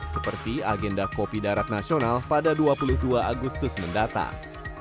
seperti agenda kopi darat nasional pada dua puluh dua agustus mendatang